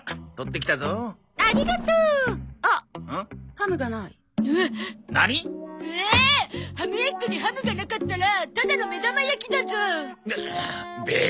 ハムエッグにハムがなかったらただの目玉焼きだゾ。